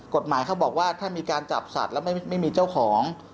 เขาบอกว่าถ้ามีการจับสัตว์แล้วไม่มีเจ้าของ